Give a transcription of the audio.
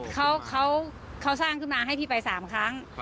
เขาสร้างขึ้นมาให้พี่ไป๓ครั้ง